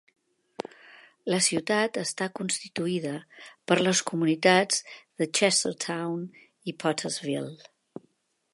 La ciutat està constituïda per les comunitats de Chestertown i Pottersville.